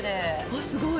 あっすごい！